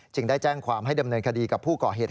ได้แจ้งความให้ดำเนินคดีกับผู้ก่อเหตุ